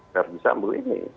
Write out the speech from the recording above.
kardi sambu ini